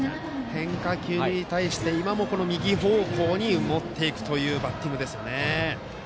変化球に対して今も右方向に持っていくというバッティングですね。